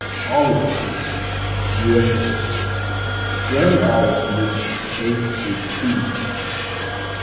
Olive Cream U.S.A. Ground olives mixed to taste with cream cheese.